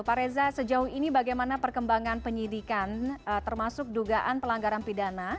pak reza sejauh ini bagaimana perkembangan penyidikan termasuk dugaan pelanggaran pidana